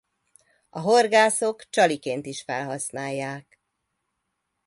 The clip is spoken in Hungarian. A horgászok csaliként is felhasználják.